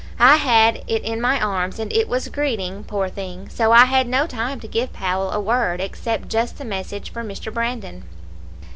I had it in my arms, and it was greeting, poor thing, so I had no time to give Powell a word, except just the message for Mr. Brandon.